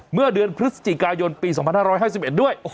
เมื่อเดือนพฤศจิกายนปี๒๕๕๑ด้วย